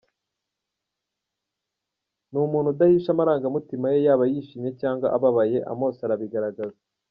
Ni umuntu udahisha amarangamutima ye, yaba yishimye cyangwa ababaye, Amos arabigaragaza.